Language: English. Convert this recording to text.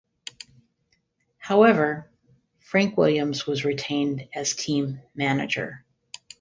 However, Frank Williams was retained as team manager.